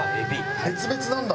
別々なんだ。